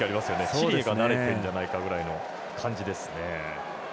チリが慣れてんじゃないかという感じですね。